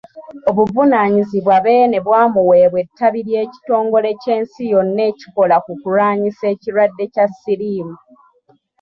Obuvunaanyizibwa Beene bwamuweebwa ettabi ly'ekitongole ky'ensi yonna ekikola ku kulwanyisa ekirwadde kya Siriimu.